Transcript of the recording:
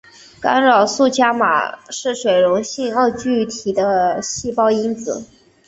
干扰素伽玛是水溶性二聚体的细胞因子。